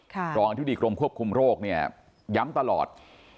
รองอธิบดีกรมควบคุมโรคเนี่ยย้ำตลอด